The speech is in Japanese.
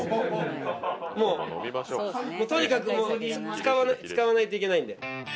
とにかく使わないといけないんで。